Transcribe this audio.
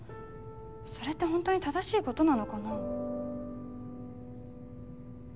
それって本当に正しいことなのかな？